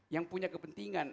yang punya kepentingan